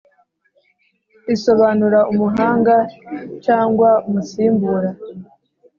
Risobanura umuhanga cyangwa umusimbura